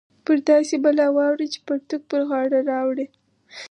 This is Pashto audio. پر داسې بلا واوړې چې پرتوګ پر غاړه راوړې